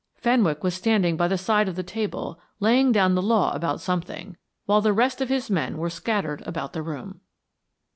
Fenwick was standing by the side of the table laying down the law about something, while the rest of his men were scattered about the room.